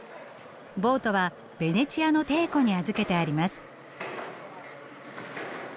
ボートはベネチアの艇庫に預けてあります。